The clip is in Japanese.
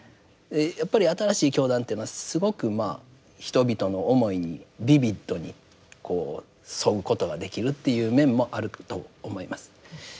やっぱり新しい教団というのはすごくまあ人々の思いにビビッドにこう沿うことができるっていう面もあると思います。